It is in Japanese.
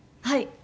はい。